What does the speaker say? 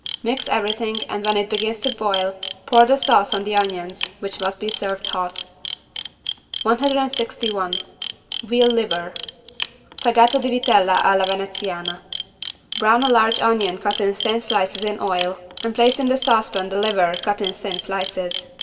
Mix everything and when it begins to boil pour the sauce on the onions, which must be served hot. 161 VEAL LIVER (Fegato di vitella alla veneziana) Brown a large onion cut in thin slices in oil and place in the saucepan the liver cut in thin slices.